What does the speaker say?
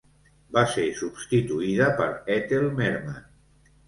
Va ser substituïda per Ethel Merman.